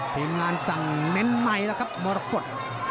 ทีมงานสั่งเน้นไมค์แล้วครับมรกฏ